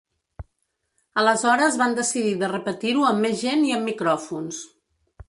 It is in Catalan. Aleshores van decidir de repetir-ho amb més gent i amb micròfons.